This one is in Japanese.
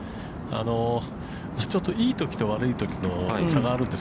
ちょっと、いいときと悪いときの差があるんです。